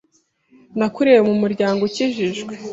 Nakuriye mu muryango ukijijwe